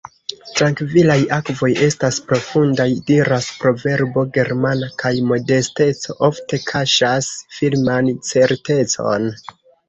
« Trankvilaj akvoj estas profundaj », diras proverbo germana, kaj modesteco ofte kaŝas firman certecon.